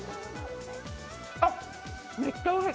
めっちゃおいしい。